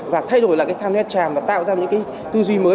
và thay đổi lại cái tham gia tràm và tạo ra những cái tư duy mới